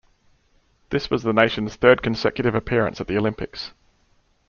This was the nation's third consecutive appearance at the Olympics.